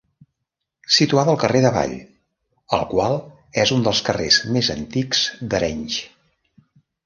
Situada al carrer d'Avall el qual és un dels carrers més antics d'Arenys.